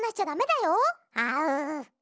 あう。